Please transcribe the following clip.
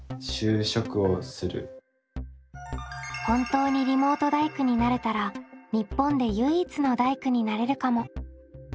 本当にリモート大工になれたら日本で唯一の大工になれるかも。